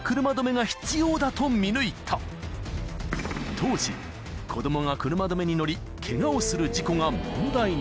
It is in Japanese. ［当時子供が車止めにのりケガをする事故が問題に］